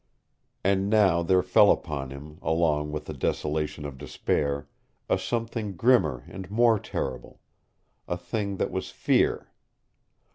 And now there fell upon him, along with the desolation of despair, a something grimmer and more terrible a thing that was fear.